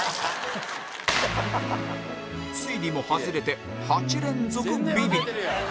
推理も外れて８連続ビビリ